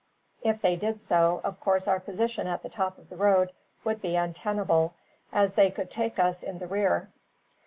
If they did so, of course our position at the top of the road would be untenable, as they would take us in the rear.